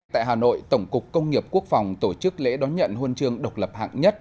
tại hà nội tổng cục công nghiệp quốc phòng tổ chức lễ đón nhận huân chương độc lập hạng nhất